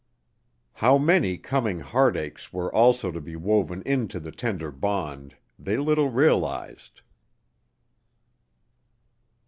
How many coming heartaches were also to be woven into the tender bond they little realized.